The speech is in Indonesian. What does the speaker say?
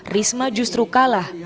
risma justru kalah